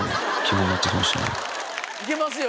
いけますよ